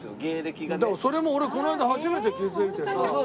だからそれも俺この間初めて気付いてさ。